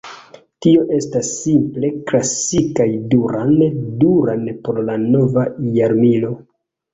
Tio estas simple "klasikaj Duran Duran por la nova jarmilo".